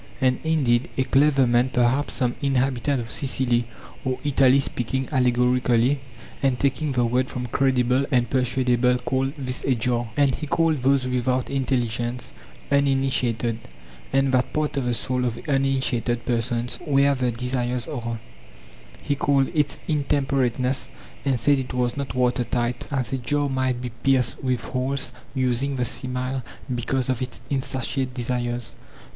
And, indeed, a clever man—perhaps some inhabitant of Sicily or Italy—speaking allegorically, and taking the word from credible' (7é@avos) and 'persuadable' (wicteKos), called this a jar (700s) ; and he called those without intelligence uninitiated, and that part of the soul of uninitiated persons where the desires are, he called its intemperateness,'and said it was not water tight, as a jar might be pierced with holes—using the simile because of its insatiate desires.